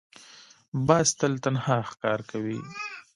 باز تل تنها ښکار کوي